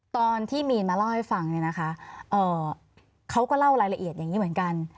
ตอนที่มีนมาเล่าให้ฟังเนี่ยนะคะเขาก็เล่ารายละเอียดอย่างนี้เหมือนกัน